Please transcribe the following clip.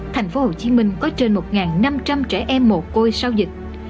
thành phố hồ chí minh có trên một năm trăm linh trẻ em mồ côi sau dịch